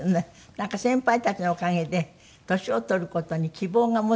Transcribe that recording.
なんか先輩たちのおかげで年を取る事に希望が持てたんですって？